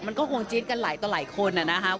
มันก็คงจีนกันหลายต่อหลายคนอ่ะนะฮะ